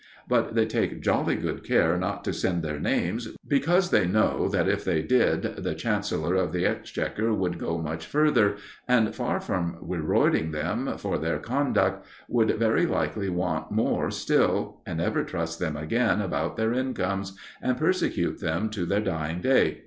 But they take jolly good care not to send their names, because they know that, if they did, the Chancellor of the Exchequer would go much further, and, far from rewarding them for their conduct, would very likely want more still, and never trust them again about their incomes, and persecute them to their dying day.